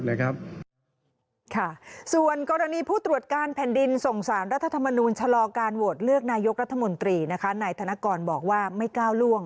ค่ะส่วนกรณีผู้ตรวจการแผ่นดินส่งสารรัฐธรรมนูลชะลอการโหวตเลือกนายกรัฐมนตรีนะคะนายธนกรบอกว่าไม่ก้าวล่วง